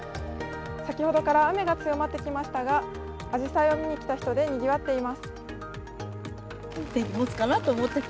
先ほどから雨が強まってきましたがあじさいを見にきた人でにぎわっています。